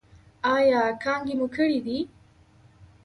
ایا کانګې مو کړي دي؟